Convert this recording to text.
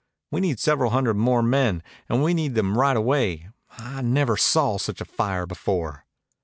We need several hundred more men, and we need them right away. I never saw such a fire before."